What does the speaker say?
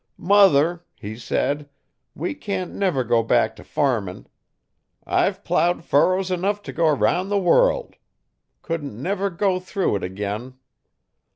"Mother," he said, "we can't never go back to farmin'. I've ploughed furrows enough if go 'round the world. Couldn't never go through it ag'in."